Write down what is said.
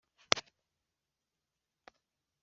nkamenya uko mbyifatamo